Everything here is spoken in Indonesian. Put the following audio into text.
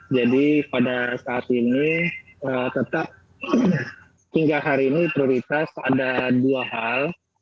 jadi pada saat ini tetap hingga hari ini prioritas ada dua hal